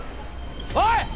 おい！